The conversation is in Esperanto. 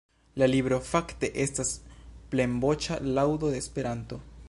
La libro fakte estas plenvoĉa laŭdo de Esperanto.